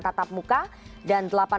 pada saat uji coba pembelajaran